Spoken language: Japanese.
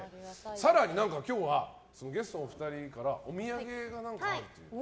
更に今日はゲストのお二人からお土産があるということで。